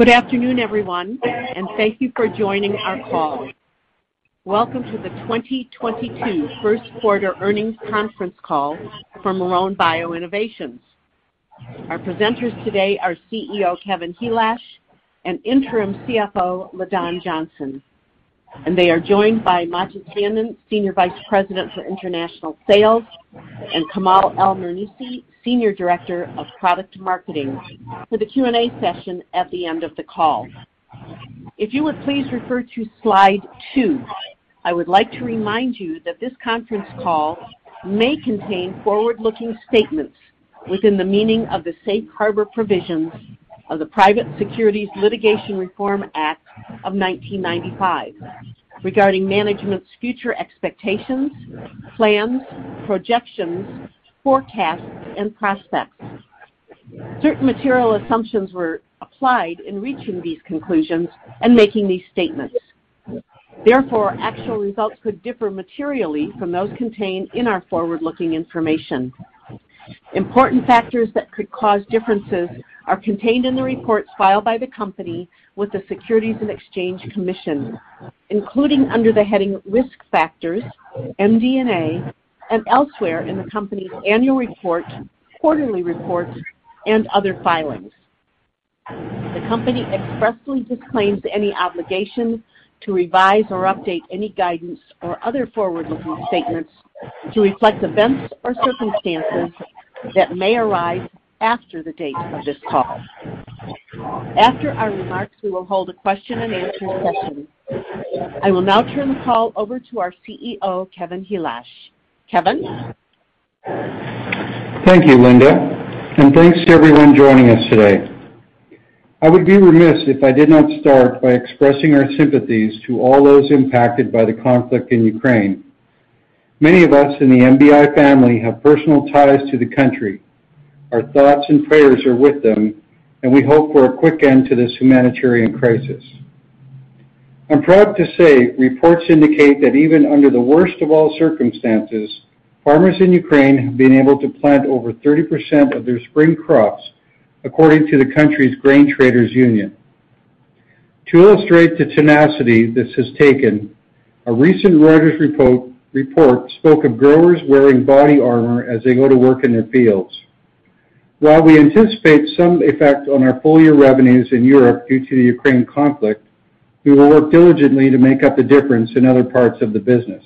Good afternoon, everyone, and thank you for joining our call. Welcome to the 2022 Q1 earnings conference call for Marrone Bio Innovations. Our presenters today are CEO Kevin Helash and Interim CFO LaDon Johnson. They are joined by Matti Tiainen, Senior Vice President for International Sales, and Kamal El Mernissi, Senior Director of Product Marketing for the Q&A session at the end of the call. If you would please refer to slide 2. I would like to remind you that this conference call may contain forward-looking statements within the meaning of the safe harbor provisions of the Private Securities Litigation Reform Act of 1995 regarding management's future expectations, plans, projections, forecasts, and prospects. Certain material assumptions were applied in reaching these conclusions and making these statements. Therefore, actual results could differ materially from those contained in our forward-looking information. Important factors that could cause differences are contained in the reports filed by the company with the Securities and Exchange Commission, including under the heading Risk Factors, MD&A, and elsewhere in the company's annual report, quarterly reports, and other filings. The company expressly disclaims any obligation to revise or update any guidance or other forward-looking statements to reflect events or circumstances that may arise after the date of this call. After our remarks, we will hold a question-and-answer session. I will now turn the call over to our CEO, Kevin Helash. Kevin? Thank you, Linda, and thanks to everyone joining us today. I would be remiss if I did not start by expressing our sympathies to all those impacted by the conflict in Ukraine. Many of us in the MBI family have personal ties to the country. Our thoughts and prayers are with them, and we hope for a quick end to this humanitarian crisis. I'm proud to say reports indicate that even under the worst of all circumstances, farmers in Ukraine have been able to plant over 30% of their spring crops, according to the country's Grain Traders Union. To illustrate the tenacity this has taken, a recent Reuters report spoke of growers wearing body armor as they go to work in their fields. While we anticipate some effect on our full-year revenues in Europe due to the Ukraine conflict, we will work diligently to make up the difference in other parts of the business.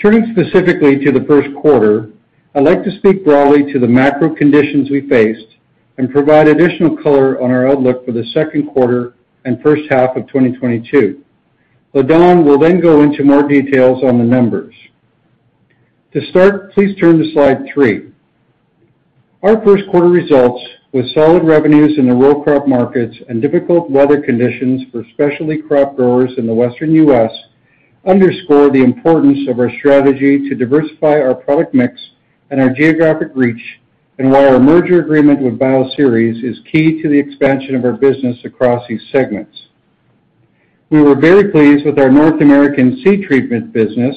Turning specifically to the Q1, I'd like to speak broadly to the macro conditions we faced and provide additional color on our outlook for the Q2 and first half of 2022. LaDon will then go into more details on the numbers. To start, please turn to slide 3. Our Q1 results with solid revenues in the row crop markets and difficult weather conditions for specialty crop growers in the Western U.S. underscore the importance of our strategy to diversify our product mix and our geographic reach, and why our merger agreement with Bioceres is key to the expansion of our business across these segments. We were very pleased with our North American seed treatment business,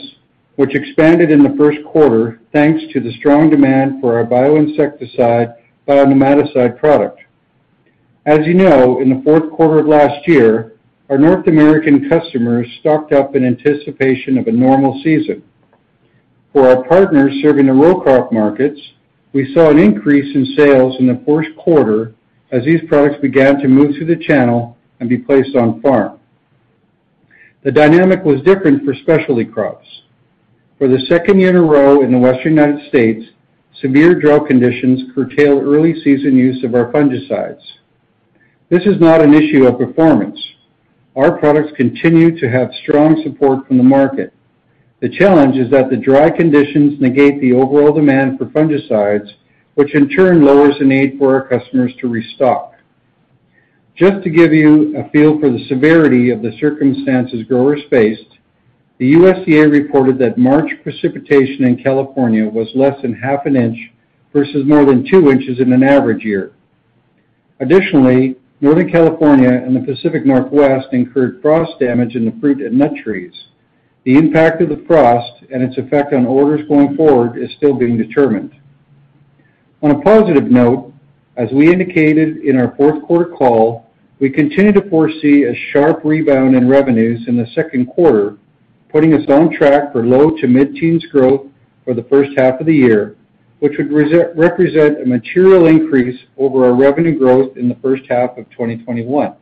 which expanded in the Q1, thanks to the strong demand for our bioinsecticide/bionematicide product. As you know, in the Q4 of last year, our North American customers stocked up in anticipation of a normal season. For our partners serving the row crop markets, we saw an increase in sales in the Q1 as these products began to move through the channel and be placed on farm. The dynamic was different for specialty crops. For the second year in a row in the Western United States, severe drought conditions curtail early season use of our fungicides. This is not an issue of performance. Our products continue to have strong support from the market. The challenge is that the dry conditions negate the overall demand for fungicides, which in turn lowers the need for our customers to restock. Just to give you a feel for the severity of the circumstances growers faced, the USDA reported that March precipitation in California was less than half an inch versus more than two inches in an average year. Additionally, Northern California and the Pacific Northwest incurred frost damage in the fruit and nut trees. The impact of the frost and its effect on orders going forward is still being determined. On a positive note, as we indicated in our Q4 call, we continue to foresee a sharp rebound in revenues in the Q2, putting us on track for low- to mid-teens% growth for the first half of the year, which would represent a material increase over our revenue growth in the first half of 2021.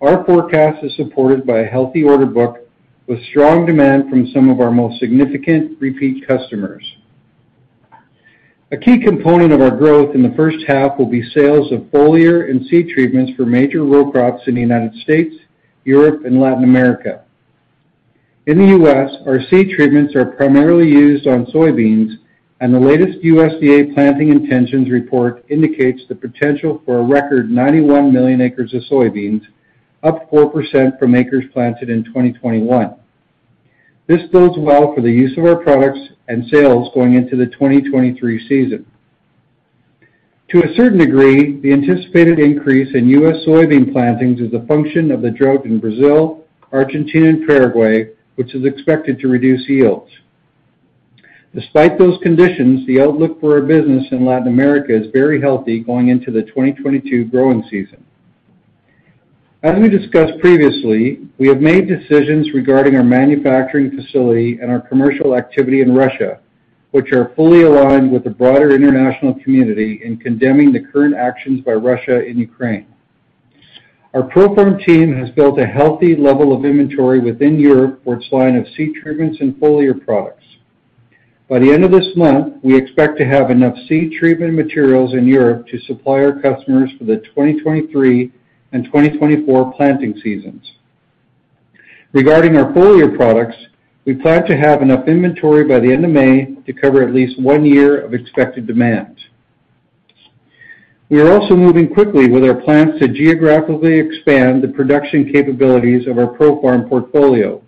Our forecast is supported by a healthy order book with strong demand from some of our most significant repeat customers. A key component of our growth in the first half will be sales of foliar and seed treatments for major row crops in the United States, Europe, and Latin America. In the US, our seed treatments are primarily used on soybeans, and the latest USDA planting intentions report indicates the potential for a record 91 million acres of soybeans, up 4% from acres planted in 2021. This bodes well for the use of our products and sales going into the 2023 season. To a certain degree, the anticipated increase in US soybean plantings is a function of the drought in Brazil, Argentina, and Paraguay, which is expected to reduce yields. Despite those conditions, the outlook for our business in Latin America is very healthy going into the 2022 growing season. As we discussed previously, we have made decisions regarding our manufacturing facility and our commercial activity in Russia, which are fully aligned with the broader international community in condemning the current actions by Russia in Ukraine. Our ProFarm team has built a healthy level of inventory within Europe for its line of seed treatments and foliar products. By the end of this month, we expect to have enough seed treatment materials in Europe to supply our customers for the 2023 and 2024 planting seasons. Regarding our foliar products, we plan to have enough inventory by the end of May to cover at least one year of expected demand. We are also moving quickly with our plans to geographically expand the production capabilities of our ProFarm portfolio.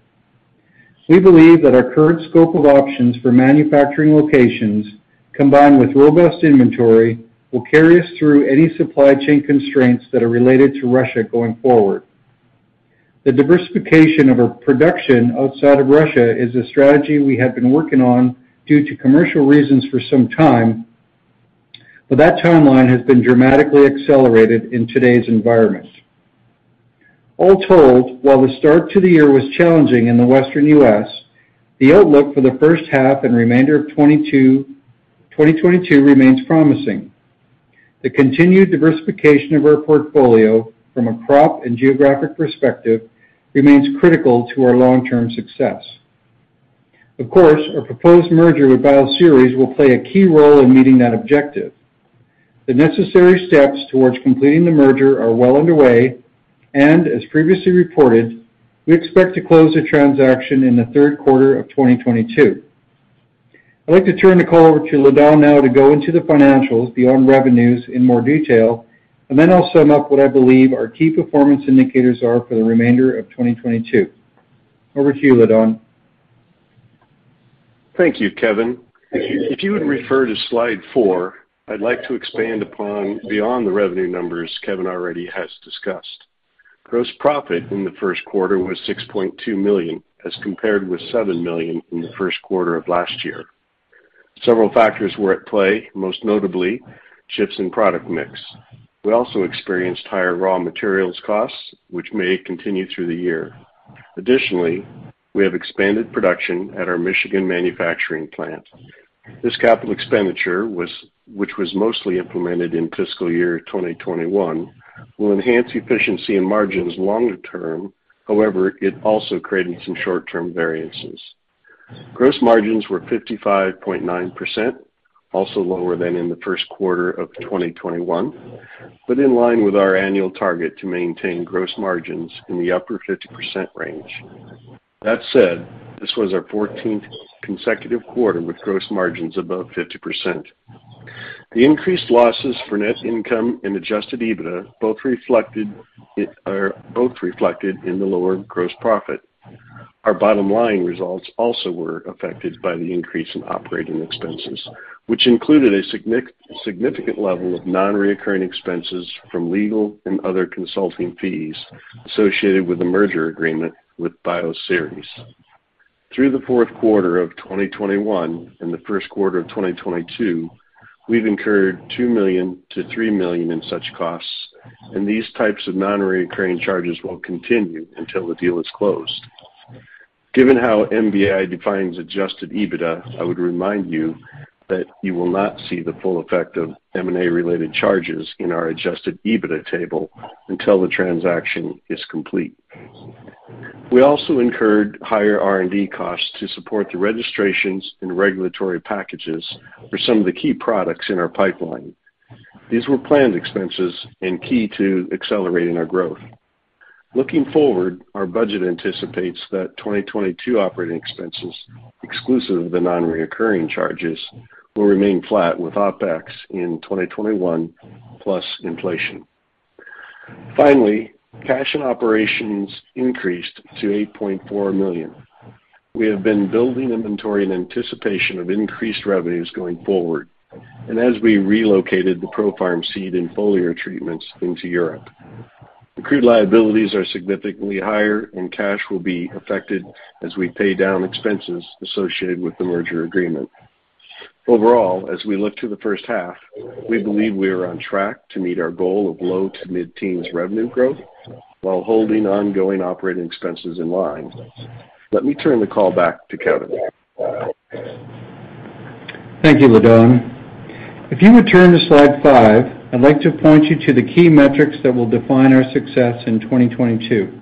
We believe that our current scope of options for manufacturing locations, combined with robust inventory, will carry us through any supply chain constraints that are related to Russia going forward. The diversification of our production outside of Russia is a strategy we have been working on due to commercial reasons for some time, but that timeline has been dramatically accelerated in today's environment. All told, while the start to the year was challenging in the Western U.S., the outlook for the first half and remainder of 2022 remains promising. The continued diversification of our portfolio from a crop and geographic perspective remains critical to our long-term success. Of course, our proposed merger with Bioceres will play a key role in meeting that objective. The necessary steps towards completing the merger are well underway, and as previously reported, we expect to close the transaction in the Q3 of 2022. I'd like to turn the call over to LaDon now to go into the financials beyond revenues in more detail, and then I'll sum up what I believe our key performance indicators are for the remainder of 2022. Over to you, LaDon. Thank you, Kevin. If you would refer to slide 4, I'd like to expand upon and beyond the revenue numbers Kevin already has discussed. Gross profit in the Q1 was $6.2 million, as compared with $7 million in the Q1 of last year. Several factors were at play, most notably shifts in product mix. We also experienced higher raw materials costs, which may continue through the year. Additionally, we have expanded production at our Michigan manufacturing plant. This capital expenditure, which was mostly implemented in fiscal year 2021, will enhance efficiency and margins longer term. However, it also created some short-term variances. Gross margins were 55.9%, also lower than in the Q1 of 2021, but in line with our annual target to maintain gross margins in the upper 50% range. That said, this was our 14th consecutive quarter with gross margins above 50%. The increased losses for net income and adjusted EBITDA are both reflected in the lower gross profit. Our bottom line results also were affected by the increase in operating expenses, which included a significant level of non-recurring expenses from legal and other consulting fees associated with the merger agreement with Bioceres. Through the Q4 of 2021 and the first quarter of 2022, we've incurred $2 million-$3 million in such costs, and these types of non-recurring charges will continue until the deal is closed. Given how MBI defines adjusted EBITDA, I would remind you that you will not see the full effect of M&A-related charges in our adjusted EBITDA table until the transaction is complete. We also incurred higher R&D costs to support the registrations and regulatory packages for some of the key products in our pipeline. These were planned expenses and key to accelerating our growth. Looking forward, our budget anticipates that 2022 operating expenses, exclusive of the non-recurring charges, will remain flat with OpEx in 2021 plus inflation. Finally, cash from operations increased to $8.4 million. We have been building inventory in anticipation of increased revenues going forward and as we relocated the ProFarm seed and foliar treatments into Europe. Accrued liabilities are significantly higher, and cash will be affected as we pay down expenses associated with the merger agreement. Overall, as we look to the first half, we believe we are on track to meet our goal of low- to mid-teens% revenue growth while holding ongoing operating expenses in line. Let me turn the call back to Kevin. Thank you, LaDon. If you would turn to slide 5, I'd like to point you to the key metrics that will define our success in 2022.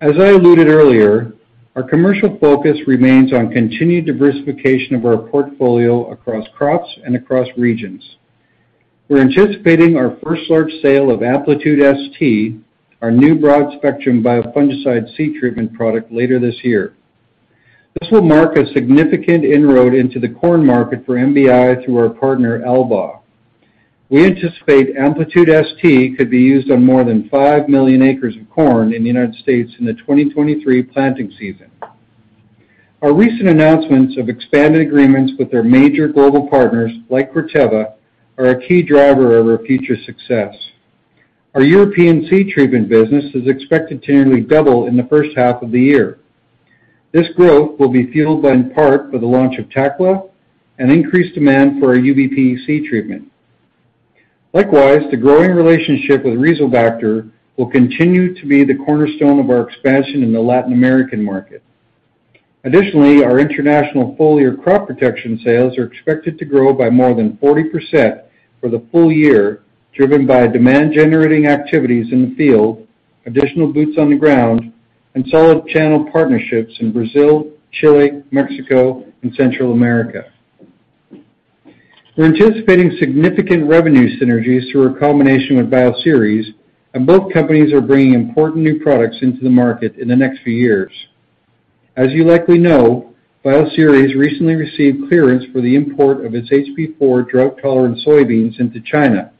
As I alluded earlier, our commercial focus remains on continued diversification of our portfolio across crops and across regions. We're anticipating our first large sale of Amplitude ST, our new broad-spectrum biofungicide seed treatment product, later this year. This will mark a significant inroad into the corn market for MBI through our partner, AMVAC. We anticipate Amplitude ST could be used on more than 5 million acres of corn in the United States in the 2023 planting season. Our recent announcements of expanded agreements with their major global partners, like Corteva, are a key driver of our future success. Our European seed treatment business is expected to nearly double in the first half of the year. This growth will be fueled by, in part, by the launch of Taquela and increased demand for our UBP sea treatment. Likewise, the growing relationship with Rizobacter will continue to be the cornerstone of our expansion in the Latin American market. Additionally our international foliar crop protection sales are expected to grow by more than 40% for the full year, driven by demand-generating activities in the field, additional boots on the ground, and solid channel partnerships in Brazil, Chile, Mexico, and Central America. We're anticipating significant revenue synergies through our combination with Bioceres, and both companies are bringing important new products into the market in the next few years. As you likely know, Bioceres recently received clearance for the import of its HB4 drought-tolerant soybeans into China,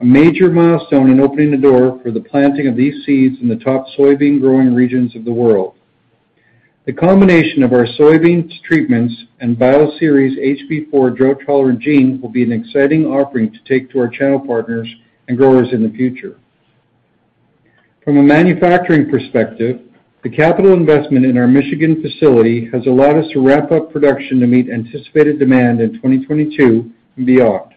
a major milestone in opening the door for the planting of these seeds in the top soybean-growing regions of the world. The combination of our soybeans treatments and Bioceres HB4 drought-tolerant gene will be an exciting offering to take to our channel partners and growers in the future. From a manufacturing perspective, the capital investment in our Michigan facility has allowed us to ramp up production to meet anticipated demand in 2022 and beyond.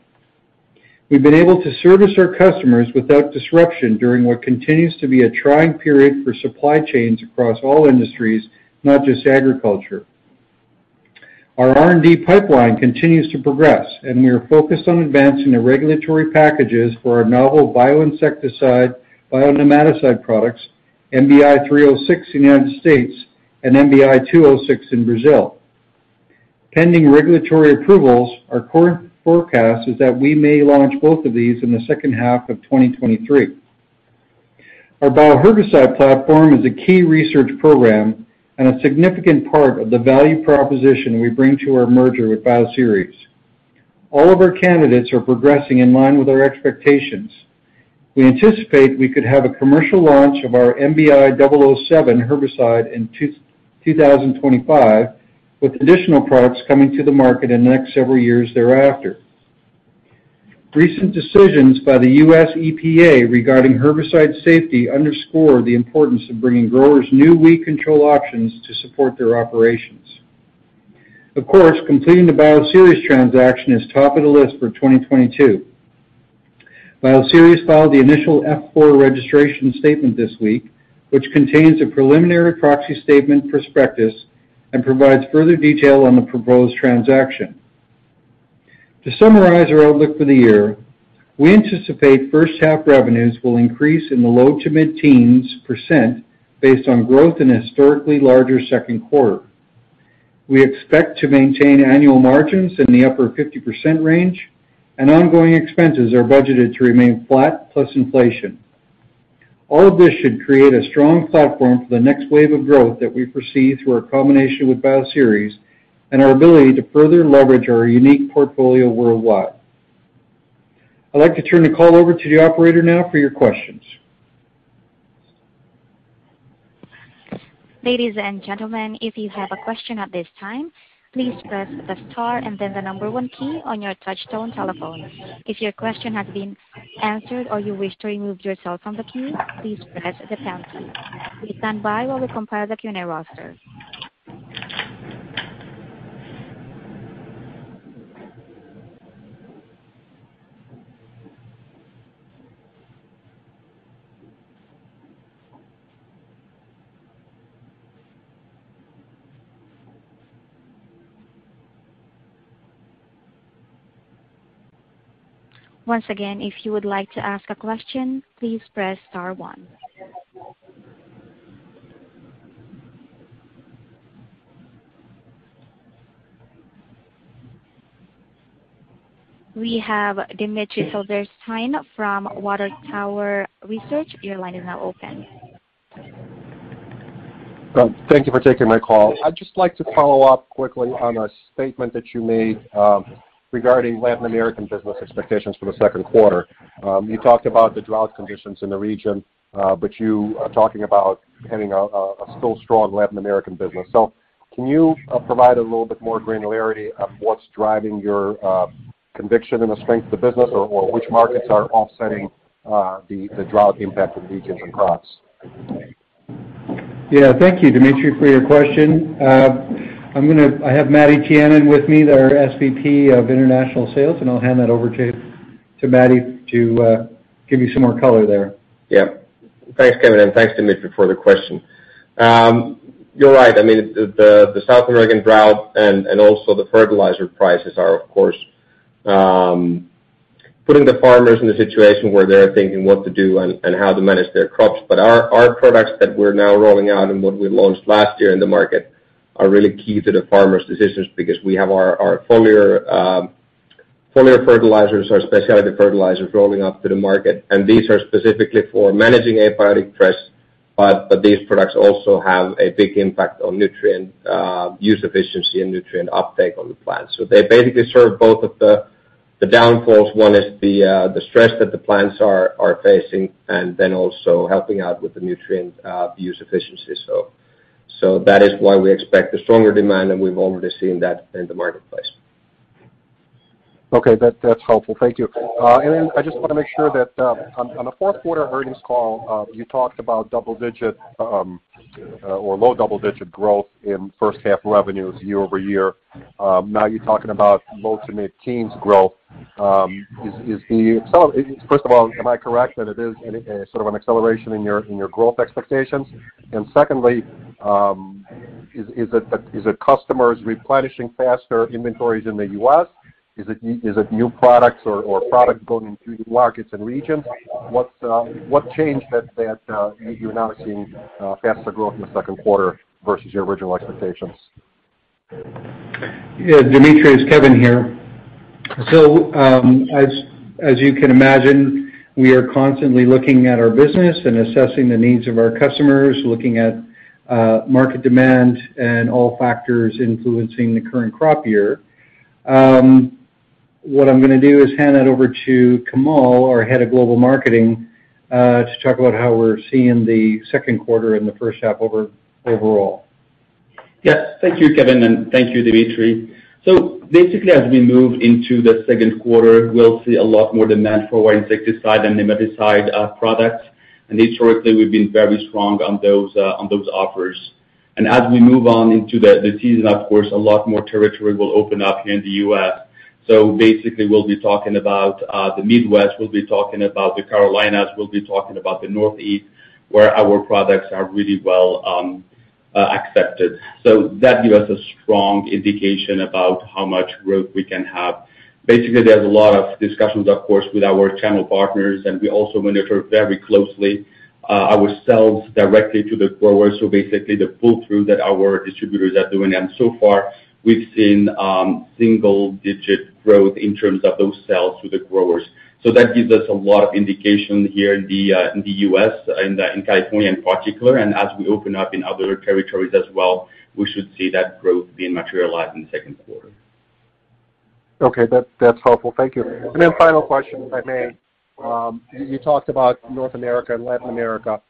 We've been able to service our customers without disruption during what continues to be a trying period for supply chains across all industries, not just agriculture. Our R&D pipeline continues to progress, and we are focused on advancing the regulatory packages for our novel bioinsecticide, bionematicide products, MBI-306 in the United States, and MBI-206 in Brazil. Pending regulatory approvals, our current forecast is that we may launch both of these in the second half of 2023. Our bioherbicide platform is a key research program and a significant part of the value proposition we bring to our merger with Bioceres. All of our candidates are progressing in line with our expectations. We anticipate we could have a commercial launch of our MBI-006 herbicide in 2025, with additional products coming to the market in the next several years thereafter. Recent decisions by the U.S. EPA regarding herbicide safety underscore the importance of bringing growers new weed control options to support their operations. Of course, completing the Bioceres transaction is top of the list for 2022. Bioceres filed the initial F-4 registration statement this week, which contains a preliminary proxy statement prospectus and provides further detail on the proposed transaction. To summarize our outlook for the year, we anticipate first half revenues will increase in the low- to mid-teens% based on growth in a historically larger Q2. We expect to maintain annual margins in the upper 50% range, and ongoing expenses are budgeted to remain flat plus inflation. All of this should create a strong platform for the next wave of growth that we foresee through our combination with Bioceres and our ability to further leverage our unique portfolio worldwide. I'd like to turn the call over to the operator now for your questions. Ladies and gentlemen if you have a question at this time, please press the star and then the number one key on your touchtone telephone. If your question has been answered or you wish to remove yourself from the queue, please press the pound key. Please stand by while we compile the Q&A roster. Once again, if you would like to ask a question, please press star one. We have Dmitry Silversteyn from Water Tower Research. Your line is now open. Thank you for taking my call. I'd just like to follow up quickly on a statement that you made regarding Latin American business expectations for the Q2. You talked about the drought conditions in the region, but you are talking about having a still strong Latin American business. Can you provide a little bit more granularity on what's driving your conviction in the strength of the business or which markets are offsetting the drought impact of the region's crops? Yeah. Thank you, Dmitry, for your question. I have Matti Tiainen with me, our SVP of International Sales, and I'll hand that over to Matti to give you some more color there. Yeah. Thanks, Kevin, and thanks, Dmitry, for the question. You are right. I mean, the South American drought and also the fertilizer prices are, of course, putting the farmers in a situation where they're thinking what to do and how to manage their crops. Our products that we are now rolling out and what we launched last year in the market are really key to the farmers' decisions because we have our foliar fertilizers, our specialty fertilizers rolling out to the market, and these are specifically for managing abiotic stress, but these products also have a big impact on nutrient use efficiency and nutrient uptake on the plants. They basically serve both of the downfalls. One is the stress that the plants are facing and then also helping out with the nutrient use efficiency. That is why we expect a stronger demand, and we've already seen that in the marketplace. Okay, that's helpful. Thank you. I just wanna make sure that on the Q4 earnings call you talked about double-digit or low double-digit growth in first half revenues year-over-year. Now you're talking about low- to mid-teens growth. First of all, am I correct that it is a sort of an acceleration in your growth expectations? And secondly, is it customers replenishing faster inventories in the U.S.? Is it new products or products going into new markets and regions? What changed that you're now seeing faster growth in the Q2 versus your original expectations? Yeah, Dmitry, it's Kevin here. As you can imagine, we are constantly looking at our business and assessing the needs of our customers, looking at market demand and all factors influencing the current crop year. What I'm gonna do is hand that over to Kamal, our Head of Global Marketing, to talk about how we're seeing the Q2 and the first half overall. Yes. Thank you, Kevin, and thank you, Dmitry. Basically, as we move into the Q2, we'll see a lot more demand for our insecticide and nematicide products. Historically, we've been very strong on those offers. As we move on into the season, of course, a lot more territory will open up here in the U.S. Basically, we'll be talking about the Midwest, we'll be talking about the Carolinas, we'll be talking about the Northeast, where our products are really well accepted. That gives us a strong indication about how much growth we can have. Basically, there's a lot of discussions, of course, with our channel partners, and we also monitor very closely our sales directly to the growers, so basically the pull-through that our distributors are doing. So far, we've seen single-digit growth in terms of those sales to the growers. That gives us a lot of indication here in the US, in California in particular. As we open up in other territories as well, we should see that growth being materialized in the Q2. Okay. That's helpful. Thank you. Final question, if I may. You talked about North America and Latin America.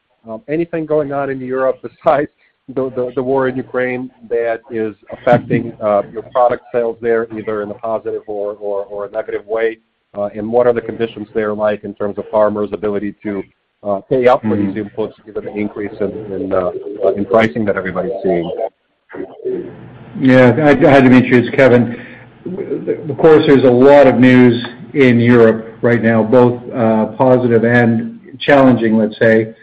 Anything going on in Europe besides the war in Ukraine that is affecting your product sales there, either in a positive or a negative way? What are the conditions there like in terms of farmers' ability to pay up for these inputs given the increase in pricing that everybody's seeing? Yeah. Hi, Dmitry, it's Kevin. Of course, there is a lot of news in Europe right now, both positive and challenging, let's say.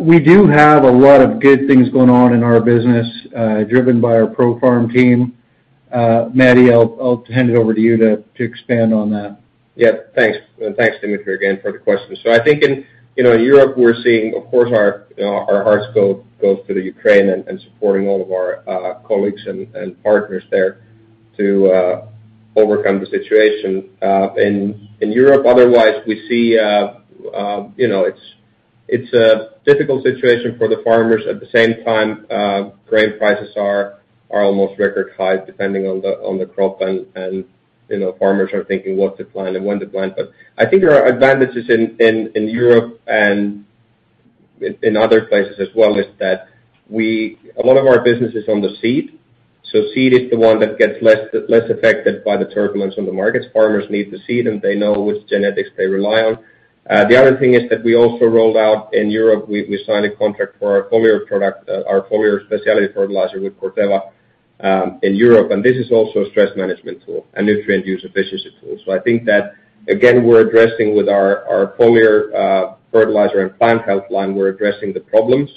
We do have a lot of good things going on in our business, driven by our ProFarm team. Matti, I'll hand it over to you to expand on that. Yeah. Thanks, Dmitry, again, for the question. I think in, you know, Europe, we are seeing, of course, our hearts goes to Ukraine and supporting all of our colleagues and partners there to overcome the situation. In Europe, otherwise, we see, you know, it's a difficult situation for the farmers. At the same time, grain prices are almost record high depending on the crop and, you know, farmers are thinking what to plant and when to plant. I think there are advantages in Europe and in other places as well. A lot of our business is on the seed, so seed is the one that gets less affected by the turbulence on the markets. Farmers need the seed, and they know which genetics they rely on. The other thing is that we also rolled out in Europe, we signed a contract for our foliar product, our foliar specialty fertilizer with Corteva, in Europe, and this is also a stress management tool, a nutrient use efficiency tool. I think that again, we're addressing with our foliar fertilizer and plant health line, we are addressing the problems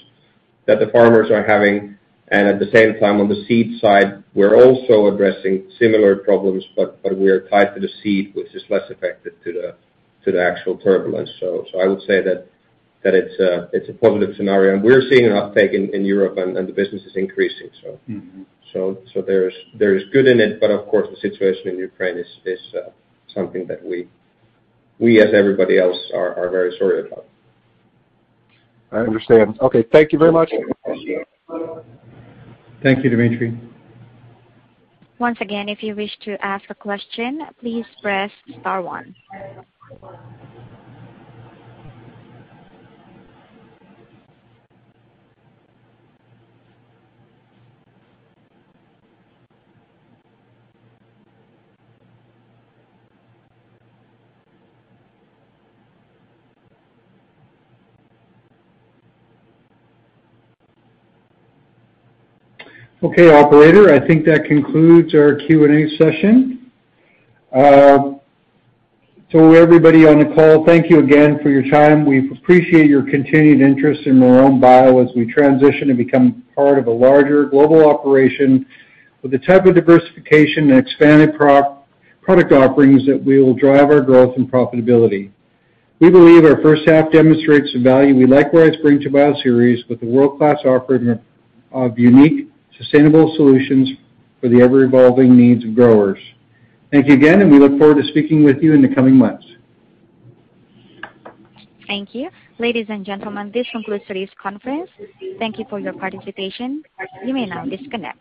that the farmers are having. At the same time, on the seed side, we are also addressing similar problems, but we are tied to the seed, which is less affected by the actual turbulence. I would say that it's a positive scenario. We're seeing an uptake in Europe and the business is increasing. Mm-hmm. There's good in it, but of course, the situation in Ukraine is something that we as everybody else are very sorry about. I understand. Okay, thank you very much. Thank you, Dmitry. Once again, if you wish to ask a question, please press star one. Okay, operator, I think that concludes our Q&A session. Everybody on the call, thank you again for your time. We appreciate your continued interest in Marrone Bio as we transition and become part of a larger global operation with the type of diversification and expanded product offerings that we will drive our growth and profitability. We believe our first half demonstrates the value we likewise bring to Bioceres with a world-class offering of unique, sustainable solutions for the ever-evolving needs of growers. Thank you again, and we look forward to speaking with you in the coming months. Thank you. Ladies and gentlemen, this concludes today's conference. Thank you for your participation. You may now disconnect.